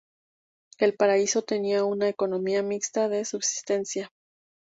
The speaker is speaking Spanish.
El Paraíso tenía una economía mixta de subsistencia.